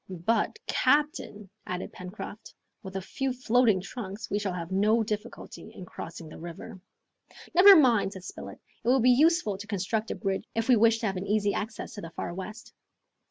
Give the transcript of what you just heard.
"But, captain," added Pencroft, "with a few floating trunks we shall have no difficulty in crossing the river." "Never mind," said Spilett, "it will be useful to construct a bridge if we wish to have an easy access to the Far West!"